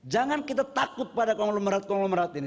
jangan kita takut pada konglomerat konglomerat ini